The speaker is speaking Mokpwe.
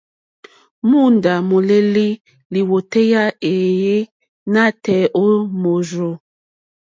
Móǒndá mówélì lìwòtéyá éèyé nǎtɛ̀ɛ̀ nǒ mòrzô.